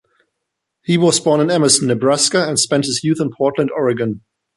He was born in Emerson, Nebraska, and spent his youth in Portland, Oregon.